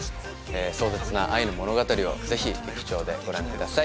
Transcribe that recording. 壮絶な愛の物語をぜひ劇場でご覧ください。